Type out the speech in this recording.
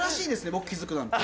僕気付くなんて。